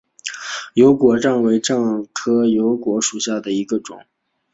油果樟为樟科油果樟属下的一个种。